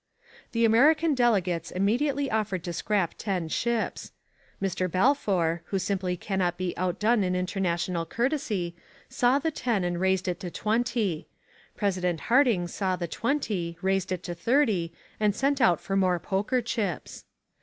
The American delegates immediately offered to scrap ten ships. Mr. Balfour, who simply cannot be outdone in international courtesy, saw the ten and raised it to twenty. President Harding saw the twenty, raised it to thirty, and sent out for more poker chips.